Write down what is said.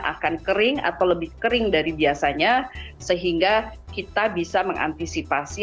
akan kering atau lebih kering dari biasanya sehingga kita bisa mengantisipasi